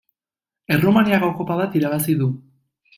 Errumaniako Kopa bat irabazi du.